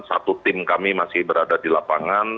satu tim kami masih berada di lapangan